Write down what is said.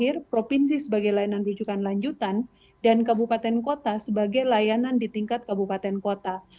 pemerintah daerah dan pemerintah pusat sebagai layanan rujukan akhir provinsi sebagai layanan rujukan lanjutan dan kabupaten kota sebagai layanan di tingkat kabupaten kota